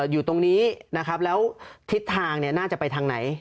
อยู่ตรงนี้นะครับแล้วทิศทางเนี่ยน่าจะไปทางไหน